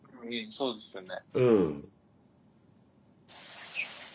そうですよね。